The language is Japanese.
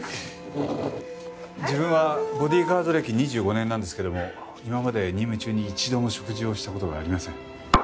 自分はボディーガード歴２５年なんですけども今まで任務中に一度も食事をした事がありません。